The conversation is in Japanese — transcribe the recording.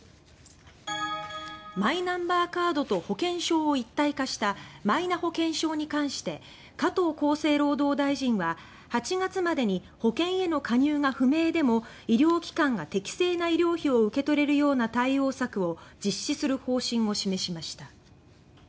マイナンバーカードと保険証を一体化した「マイナ保険証」に関して加藤厚労大臣は８月から加入保険が不明でも医療機関が適正な医療費を受け取れるような対応策を実施する方針を示しました。